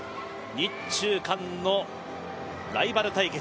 日中韓のライバル対決。